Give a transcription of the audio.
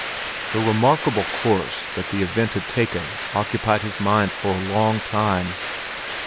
The remarkable course that the event had taken occupied his mind for a long time.